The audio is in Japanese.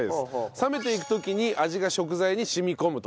冷めていく時に味が食材に染み込むと。